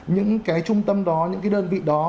những cái trung tâm đó những cái đơn vị đó